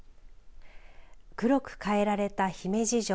黒く変えられた姫路城。